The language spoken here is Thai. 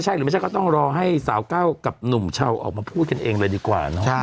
ครับกรเทอมน้าคนละชาวกันนะ